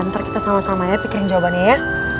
ntar kita sama samanya pikirin jawabannya ya